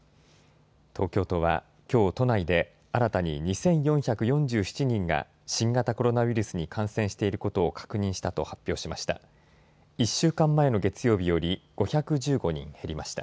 東京都は、きょう、都内で新たに２４４７人が新型コロナウイルスに感染していることを確認したと発表しました。